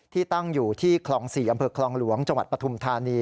ตั้งอยู่ที่คลอง๔อำเภอคลองหลวงจังหวัดปฐุมธานี